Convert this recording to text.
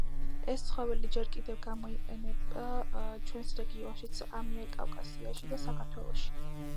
ეს ცხოველი ჯერ კიდევ გამოიყენება ჩვენს რეგიონშიც, ამიერკავკასიაში და საქართველოში.